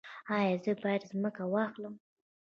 ایا زه باید ځمکه واخلم؟